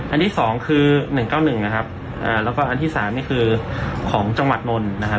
อันที่สองคือหนึ่งเก้าหนึ่งนะครับอ่าแล้วก็อันที่สามนี่คือของจังหวัดนนท์นะครับ